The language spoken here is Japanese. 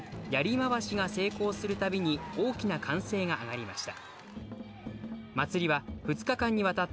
まわしが成功するたびに、大きな歓声が上がりました。